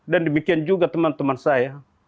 dan demikian juga teman teman saya